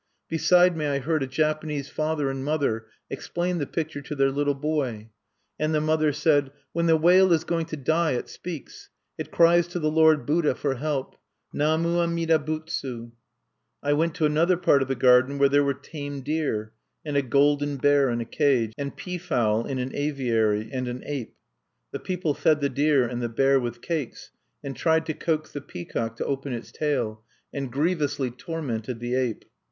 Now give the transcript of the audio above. Beside me I heard a Japanese father and mother explain the picture to their little boy; and the mother said: "When the whale is going to die, it speaks; it cries to the Lord Buddha for help, Namu Amida Butsu!" I went to another part of the garden where there were tame deer, and a "golden bear" in a cage, and peafowl in an aviary, and an ape. The people fed the deer and the bear with cakes, and tried to coax the peacock to open its tail, and grievously tormented the ape.